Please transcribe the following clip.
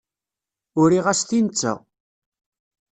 Uriɣ-as-t i netta.